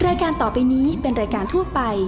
รายการต่อไปนี้เป็นรายการทั่วไป